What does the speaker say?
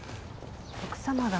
奥様が。